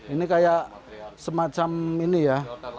ini kayak semacam ini ya